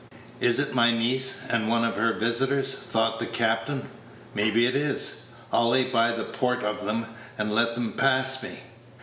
"It is my niece and one of her visitors?" thought the captain; "maybe it is. I'll lay by to port of 'em, and let 'em pass me."